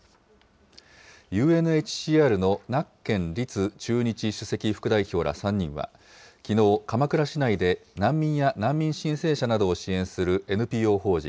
ＵＮＨＣＲのナッケン鯉都駐日首席副代表ら３人は、きのう、鎌倉市内で難民や難民申請者などを支援するＮＰＯ法人